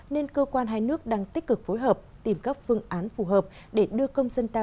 nên cơ quan hai nước đang tích cực phối hợp tìm các phương án phù hợp để đưa công dân ta